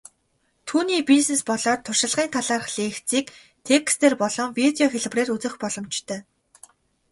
Түүний бизнес болоод туршлагын талаарх лекцийг текстээр болон видео хэлбэрээр үзэх боломжтой.